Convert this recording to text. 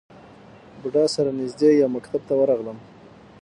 بودا سره نژدې یو مکتب ته ورغلم.